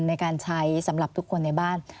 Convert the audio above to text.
ในการใช้สำหรับทุกคนในบ้าน